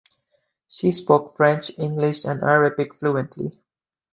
She spoke French, English and Arabic fluently.